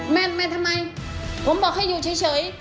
แม่แม่ทำไมผมบอกให้อยู่เฉย